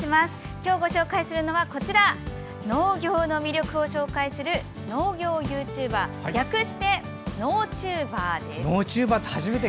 今日、ご紹介するのは農業の魅力を紹介する農業ユーチューバー略して、農チューバーです。